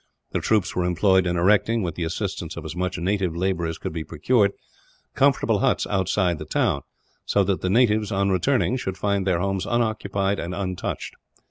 The troops were employed in erecting, with the assistance of as much native labour as could be procured, comfortable huts outside the town; so that the natives, on returning should find their homes unoccupied and untouched.